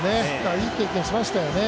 いい経験、しましたよね。